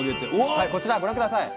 こちらご覧下さい。